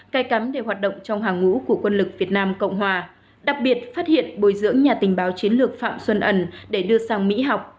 cài cắm để hoạt động trong hàng ngũ của quân lực việt nam cộng hòa đặc biệt phát hiện bồi dưỡng nhà tình báo chiến lược phạm xuân ẩn để đưa sang mỹ học